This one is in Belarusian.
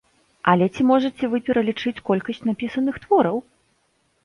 Але ці можаце вы пералічыць колькасць напісаных твораў?